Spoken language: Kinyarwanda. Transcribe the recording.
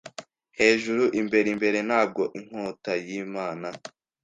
Hejuru imbere imbere ntabwo Inkota y'Imana